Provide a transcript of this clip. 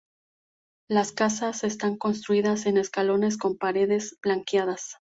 Las casas están construidas en escalones, con paredes blanqueadas.